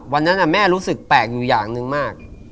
วันนั้นแม่รู้สึกแปลกอยู่อย่างหนึ่งมาก